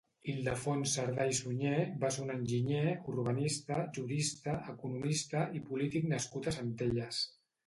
Ildefons Cerdà i Sunyer va ser un enginyer, urbanista, jurista, economista i polític nascut a Centelles.